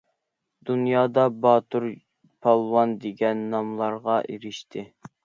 دۇنيادا باتۇر، پالۋان دېگەن ناملارغا ئېرىشتى.